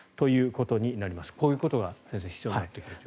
こういうことが先生、必要になってくると。